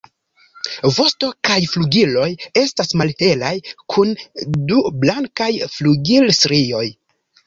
Vosto kaj flugiloj estas malhelaj kun du blankaj flugilstrioj.